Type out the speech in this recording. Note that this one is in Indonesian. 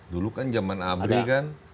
dulu kan zaman abri kan